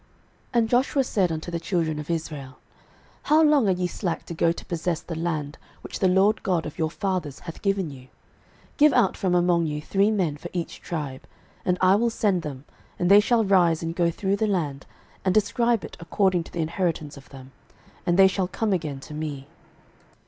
06:018:003 And Joshua said unto the children of Israel, How long are ye slack to go to possess the land, which the LORD God of your fathers hath given you? 06:018:004 Give out from among you three men for each tribe: and I will send them, and they shall rise, and go through the land, and describe it according to the inheritance of them; and they shall come again to me.